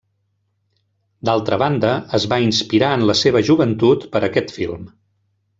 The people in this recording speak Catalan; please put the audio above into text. D'altra banda es va inspirar en la seva joventut per a aquest film.